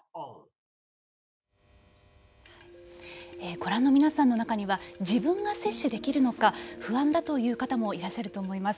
ご覧の皆さんの中には自分が接種できるのか不安だという方もいらっしゃると思います。